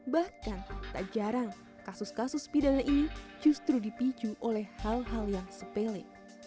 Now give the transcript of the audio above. bahkan tak jarang kasus kasus pidana ini justru dipicu oleh hal hal yang sepele